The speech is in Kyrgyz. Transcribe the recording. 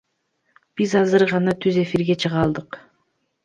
Биз азыр гана түз эфирге чыга алдык.